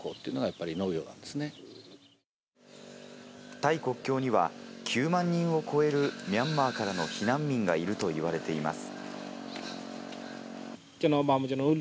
タイ国境には９万人を超えるミャンマーからの避難民がいると言われています。